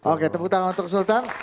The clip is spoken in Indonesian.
oke tepuk tangan untuk sultan